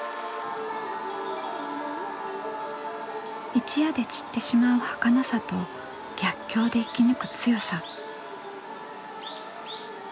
一夜で散ってしまうはかなさと逆境で生き抜く強さ。